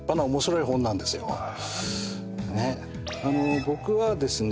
あの僕はですね